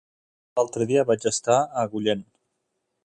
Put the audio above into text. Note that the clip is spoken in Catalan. L'altre dia vaig estar a Agullent.